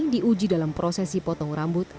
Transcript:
diuji dalam prosesi potong rambut